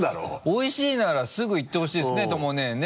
おいしいならすぐ言ってほしいですねとも姉ね。